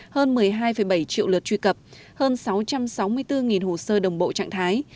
hơn một mươi hai bảy triệu lượt truy cập hơn sáu trăm sáu mươi bốn hồ sơ đồng bộ trạng thái